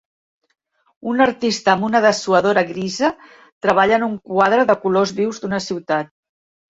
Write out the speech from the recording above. Un artista amb una dessuadora grisa treballa en un quadre de colors vius d'una ciutat.